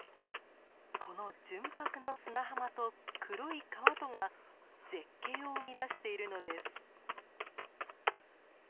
この純白の砂浜と黒い川とが絶景を生み出しているのです。